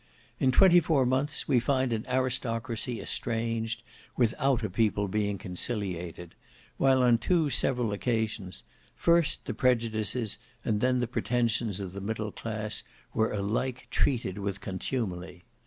In twenty four months we find an aristocracy estranged, without a people being conciliated; while on two several occasions, first, the prejudices, and then the pretensions of the middle class, were alike treated with contumely.